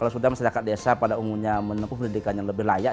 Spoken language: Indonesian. kalau sudah masyarakat desa pada umumnya menempuh pendidikan yang lebih layak